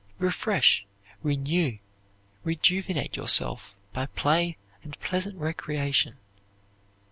Refresh, renew, rejuvenate yourself by play and pleasant recreation.